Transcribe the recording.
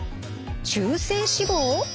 中性脂肪？